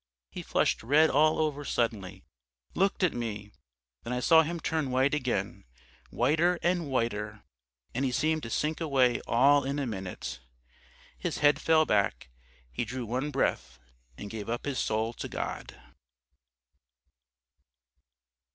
He flushed red all over suddenly, looked at me ... then I saw him turn white again, whiter and whiter, and he seemed to sink away all in a minute. His head fell back, he drew one breath and gave up his soul to God."